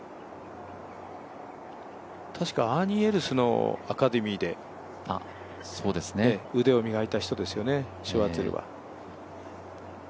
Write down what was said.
たしかアーニー・エルスのアカデミーで腕を磨いた人ですよね、シュワーツェルは。